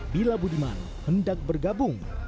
bila budiman hendak bergabung